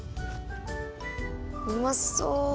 うまそう！